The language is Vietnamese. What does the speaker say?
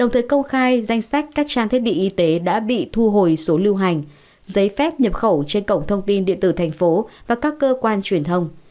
thông tin điện tử thành phố và các cơ quan truyền thông